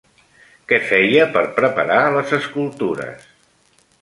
Què feia per preparar les escultures?